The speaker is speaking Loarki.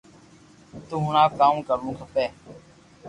تو ھڻاو ڪاو ڪروو کپي